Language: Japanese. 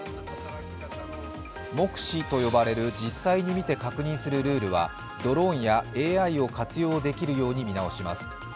目視と呼ばれる実際に見て確認するルールはドローンやＡＩを活用できるように見直します。